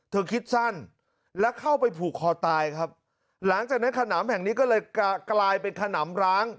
คิดสั้นแล้วเข้าไปผูกคอตายครับหลังจากนั้นขนำแห่งนี้ก็เลยกลายเป็นขนำร้าง